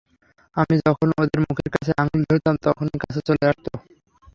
আমি যখন ওদের মুখের কাছে আঙুল ধরতাম, তখনই কাছে চলে আসত।